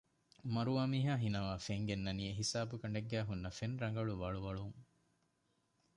މަރުވާ މީހާ ހިނަވާނެ ފެން ގެންނަނީ އެހިސާބުގަނޑެއްގައި ހުންނަ ފެން ރަނގަޅު ވަޅުވަޅުން